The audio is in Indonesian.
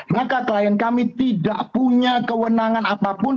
maka klien kami tidak punya kewenangan apapun